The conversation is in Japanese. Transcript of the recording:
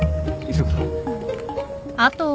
急ぐぞ。